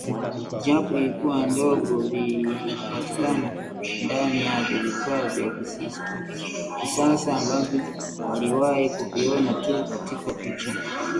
Japo ilikuwa ndogo, vilipatikana ndani yake vifaa vya kisasa ambavyo waliwahi kuviona tu katika picha